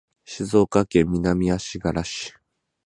静岡県南足柄市